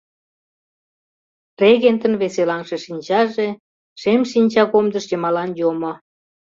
Регентын веселаҥше шинчаже шем шинчагомдыш йымалан йомо.